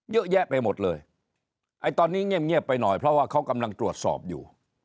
เยอะแยะไปหมดเลยไอ้ตอนนี้เงียบไปหน่อยเพราะว่าเขากำลังตรวจสอบอยู่